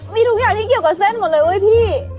มีทุกอย่างที่เกี่ยวกับเส้นหมดเลยเว้ยพี่